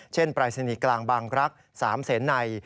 เช่นปรายศนีย์กลางบางรักษ์๓เซนไน